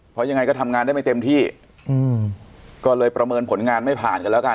เพราะยังไงก็ทำงานได้ไม่เต็มที่อืมก็เลยประเมินผลงานไม่ผ่านกันแล้วกัน